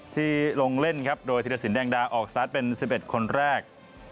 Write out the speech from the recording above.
ที่ลงเล่นครับโดยธิรสินแดงดาออกสตาร์ทเป็น๑๑คนแรก